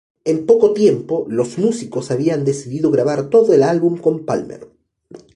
En poco tiempo, los músicos habían decidido grabar todo el álbum con Palmer.